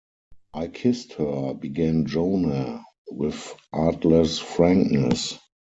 "I kissed her," began Jonah, with artless frankness.